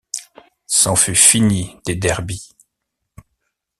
C’en fut fini des derbies.